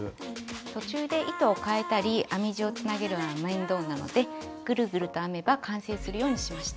途中で糸をかえたり編み地をつなげるのは面倒なのでグルグルと編めば完成するようにしました。